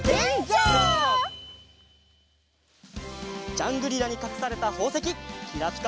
ジャングリラにかくされたほうせききらぴか